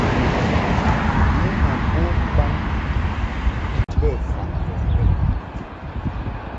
Nu ma bom mbaŋ bə faʼ mbɔŋkɛd.